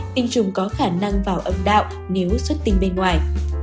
hai tinh trùng có khả năng vào âm đạo nếu xuất tinh bên ngoài